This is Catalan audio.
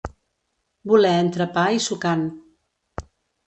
Voler entrepà i sucant.